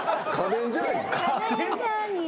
家電ジャーニー？